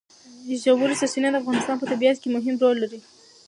ژورې سرچینې د افغانستان په طبیعت کې مهم رول لري.